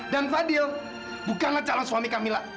dan fadil bukanlah calon suami kamila